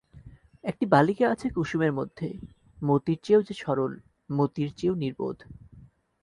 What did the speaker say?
একটি বালিকা আছে কুসুমের মধ্যে, মতির চেয়েও যে সরল, মতির চেয়েও নির্বোধ।